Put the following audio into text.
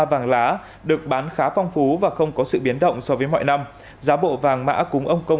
vàng lá được bán khá phong phú và không có sự biến động so với mọi năm giá bộ vàng mã cúng ông công